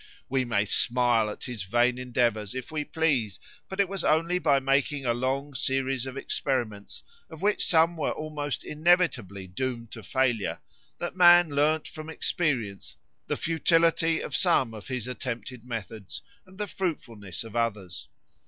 We may smile at his vain endeavours if we please, but it was only by making a long series of experiments, of which some were almost inevitably doomed to failure, that man learned from experience the futility of some of his attempted methods and the fruitfulness of others.